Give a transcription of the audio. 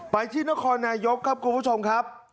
ที่นครนายกครับคุณผู้ชมครับ